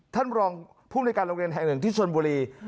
ท่านรองภูมิในการโรงเรียนแห่งหนึ่งที่ชนบุรี